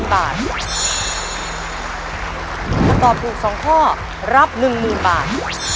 ถ้าตอบถูก๒ข้อรับ๑๐๐๐บาท